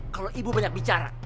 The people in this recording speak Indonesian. kalau ibu banyak bicara